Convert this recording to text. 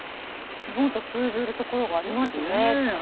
日本と通ずるところがありますね。